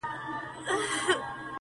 هغه وايي دلته هر څه بدل سوي او سخت دي,